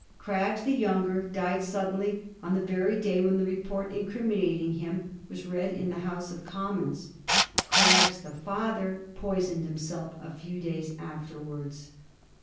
Craggs the younger died suddenly on the very day when the report incriminating him was read in the House of Commons. Craggs the father poisoned himself a few days afterwards.